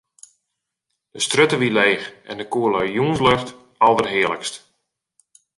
De strjitte wie leech en de koele jûnslucht alderhearlikst.